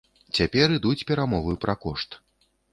Цяпер ідуць перамовы пра кошт.